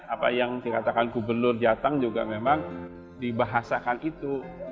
apa yang dikatakan gubernur jateng juga memang dibahasakan itu